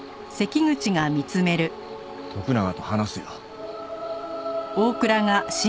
徳永と話すよ。